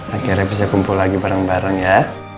akhirnya bisa kumpul lagi bareng bareng ya